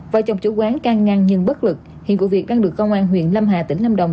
vợ chồng chủ quán can ngăn nhưng bất lực hiện vụ việc đang được công an huyện lâm hà tỉnh lâm đồng